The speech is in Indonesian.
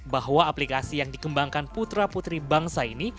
bahwa aplikasi yang dikembangkan putra putri bangsa ini